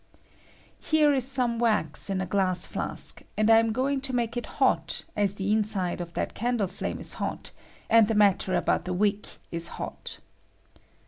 Here ^^H is Bome wax in a glass fiask, and I am going ^^^^to make it hot, as the inside of that candle ^^^1 fiame is hot, and the matter about the wick is ^^H hot.